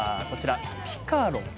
ピカロン。